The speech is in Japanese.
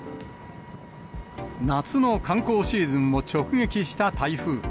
夏の観光シーズンを直撃した台風。